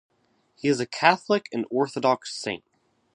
He is a Catholic and Orthodox saint.